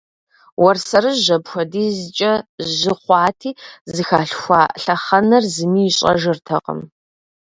Уэрсэрыжь апхуэдизкӀэ жьы хъуати, зыхалъхуа лъэхъэнэр зыми ищӀэжыртэкъым.